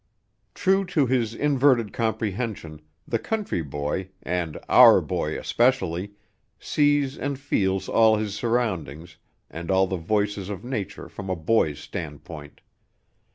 True to his inverted comprehension, the country boy, and our boy especially, sees and feels all his surroundings and all the voices of nature from a boy's standpoint.